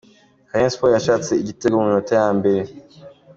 Rayon Sports yashatse igitego mu minota ya mbere.